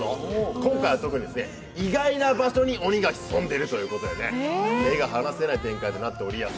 今回は特に意外なところに鬼が潜んでいるということで目が離せない展開となっております。